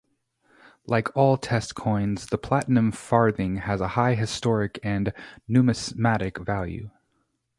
Like all test coins, the platinum farthing has a high historic and numismatic value.